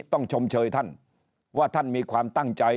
ชมเชยท่านว่าท่านมีความตั้งใจ